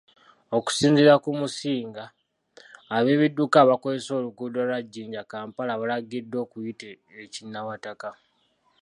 Okusinziira ku Musinga ab'ebidduka abakozesa oluguudo lwa Jinja -Kampala, balagiddwa okuyita e Kinawataka